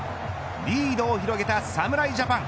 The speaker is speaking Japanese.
リードを広げた侍ジャパン。